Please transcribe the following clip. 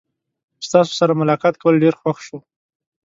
ستاسو سره ملاقات کول ډیر خوښ شو.